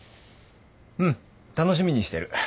うん楽しみにしてる。